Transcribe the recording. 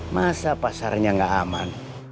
masa pasarnya gak aman